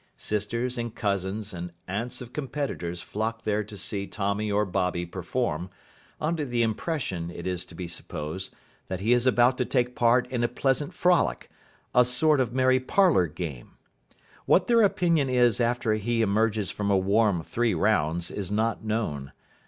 Sisters and cousins and aunts of competitors flock there to see Tommy or Bobby perform, under the impression, it is to be supposed, that he is about to take part in a pleasant frolic, a sort of merry parlour game. What their opinion is after he emerges from a warm three rounds is not known.